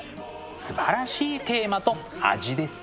すばらしいテーマと味です。